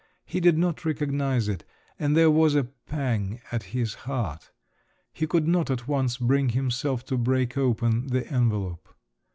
He did not recognise it, and there was a pang at his heart. He could not at once bring himself to break open the envelope.